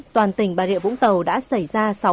toàn tỉnh bà rịa vũng tàu đã xảy ra